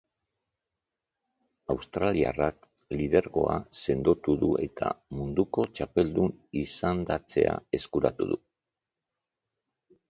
Australiarrak lidergoa sendotu du eta munduko txapeldun izendatzea eskura du.